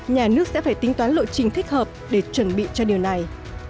nhà nước sẽ phải tính toán lộ trình thích hợp để chuẩn bị cho điều này